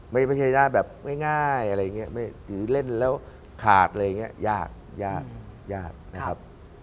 ไม่ใช่ญาติแบบง่ายอะไรอย่างนี้หรือเล่นแล้วขาดอะไรอย่างนี้ยากยากยากนะครับ